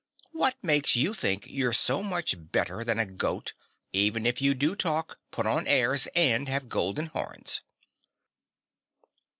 "What makes you think you're so much better than a goat even if you do talk, put on airs and have golden horns?"